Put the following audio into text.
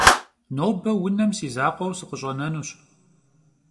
Nobe vunem si zakhueu sıkhış'enenuş.